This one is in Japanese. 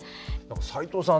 斎藤さん